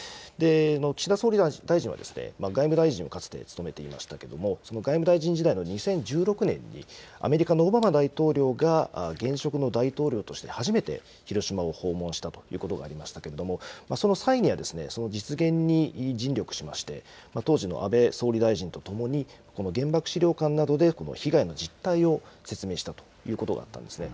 岸田総理大臣は、外務大臣をかつて務めていましたけれども、その外務大臣時代の２０１６年にアメリカのオバマ大統領が現職の大統領として初めて広島を訪問したということがありましたけれども、その際には、その実現に尽力しまして、当時の安倍総理大臣と共に、この原爆資料館などでこの被害の実態を説明したということがあったんですね。